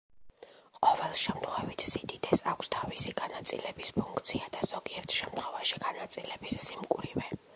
ყოველ შემთხვევით სიდიდეს აქვს თავისი განაწილების ფუნქცია და ზოგიერთ შემთხვევაში განაწილების სიმკვრივე.